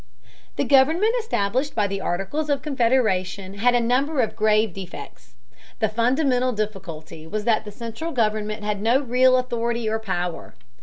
The government established by the Articles of Confederation had a number of grave defects. The fundamental difficulty was that the central government had no real authority or power.